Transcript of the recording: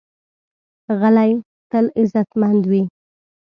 غلی، تل عزتمند وي.